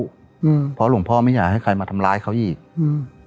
อืมเพราะหลวงพ่อไม่อยากให้ใครมาทำร้ายเขาอีกอืม